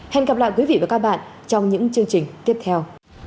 hẹn gặp lại quý vị và các bạn trong những chương trình tiếp theo